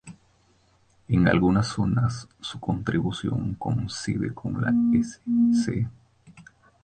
En algunas zonas su distribución coincide con la de "S. c.